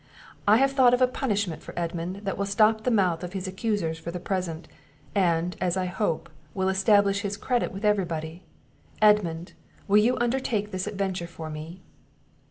I have thought of a punishment for Edmund that will stop the mouth of his accusers for the present; and, as I hope, will establish his credit with every body. Edmund, will you undertake this adventure for me?"